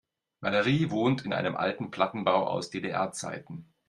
Valerie wohnt in einem alten Plattenbau aus DDR-Zeiten.